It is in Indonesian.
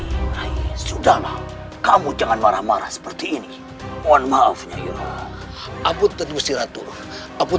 hai rai sudah kamu jangan marah marah seperti ini mohon maaf ya ya apun tenggu siratu apun